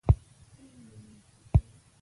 فلم د مینې کیسه وي